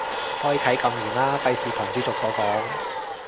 開啟禁言啦，費事群主逐個講